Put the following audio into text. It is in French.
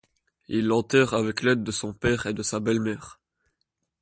Il l'enterre avec l'aide de son père et de sa belle-mère.